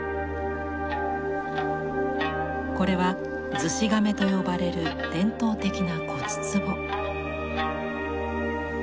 これは「厨子甕」と呼ばれる伝統的な骨つぼ。